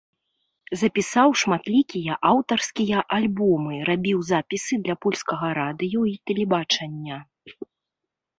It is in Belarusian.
Запісаў шматлікія аўтарскія альбомы, рабіў запісы для польскага радыё і тэлебачання.